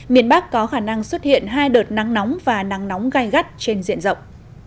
miền bắc có khả năng xuất hiện hai đợt nắng nóng và nắng nóng gai gắt trên diện rộng